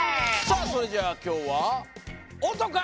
さあそれじゃあ今日はおとか！